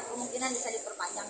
kemungkinan bisa diperpanjang